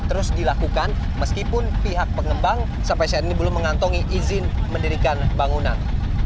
terus dilakukan meskipun pihak pengembang sampai saat ini belum mengantongi izin mendirikan bangunan